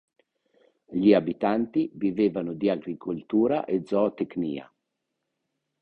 Gli abitanti vivevano di agricoltura e zootecnia.